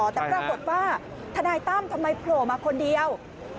แต่ปรากฏว่าทนายตั้มทำไมโผล่มาคนเดียว